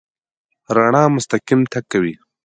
رڼا مستقیم تګ کوي.